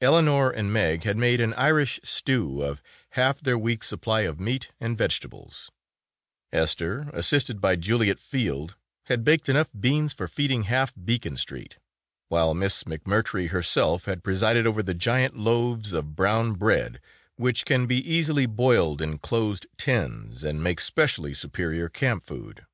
Eleanor and Meg had made an Irish stew of half their week's supply of meat and vegetables; Esther, assisted by Juliet Field, had baked enough beans for feeding half Beacon Street; while Miss McMurtry herself had presided over the giant loaves of brown bread, which can be easily boiled in closed tins and make specially superior camp food.